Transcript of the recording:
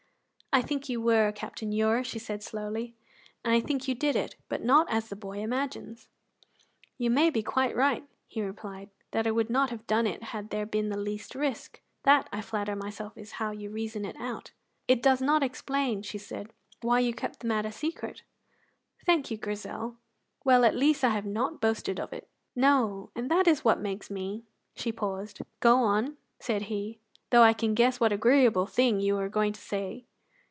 "I think you were Captain Ure," she said slowly, "and I think you did it, but not as the boy imagines." "You may be quite sure," he replied, "that I would not have done it had there been the least risk. That, I flatter myself, is how you reason it out." "It does not explain," she said, "why you kept the matter secret." "Thank you, Grizel! Well, at least I have not boasted of it." "No, and that is what makes me " She paused. "Go on," said he, "though I can guess what agreeable thing you were going to say."